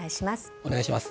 お願いします。